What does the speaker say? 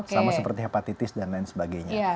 sama seperti hepatitis dan lain sebagainya